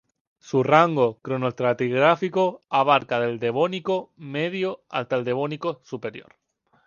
Su rango cronoestratigráfico abarca desde el Devónico medio hasta el Devónico superior.